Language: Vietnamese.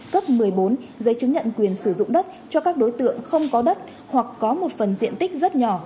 cấp một mươi bốn giấy chứng nhận quyền sử dụng đất cho các đối tượng không có đất hoặc có một phần diện tích rất nhỏ